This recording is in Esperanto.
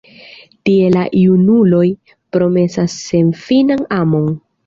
Tie la junuloj promesas senfinan amon.